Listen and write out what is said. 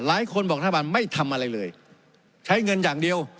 หลายคนบอกรัฐบาลไม่ทำอะไรเลยใช้เงินอย่างเดียว